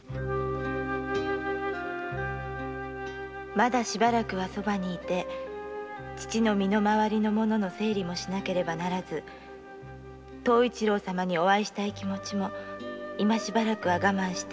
「まだしばらくは父の身のまわりを整理しなければならず東一郎様にお会いしたい気持も今しばらくは我慢して」